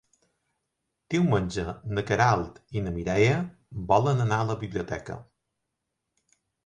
Diumenge na Queralt i na Mireia volen anar a la biblioteca.